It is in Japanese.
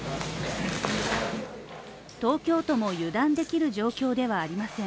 東京都も油断できる状況ではありません